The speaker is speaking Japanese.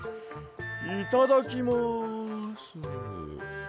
いただきます。